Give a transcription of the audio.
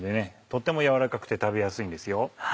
とっても軟らかくて食べやすいんですよ。